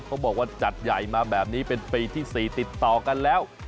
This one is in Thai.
เขาบอกว่าจัดใหญ่มาแบบนี้เป็นปีที่๔ติดต่อกันแล้ว